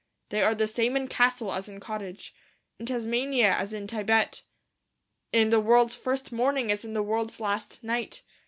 They are the same in castle as in cottage; in Tasmania as in Thibet; in the world's first morning as in the world's last night.